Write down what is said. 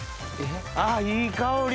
あっいい香り！